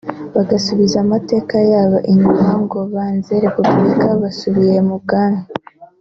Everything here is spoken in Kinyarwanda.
bagasubiza amateka yabo inyuma ngo banze Republika basubiye mu Bwami